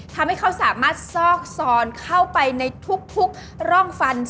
ทำให้เขาสามารถซอกซอนเข้าไปในทุกร่องฟัน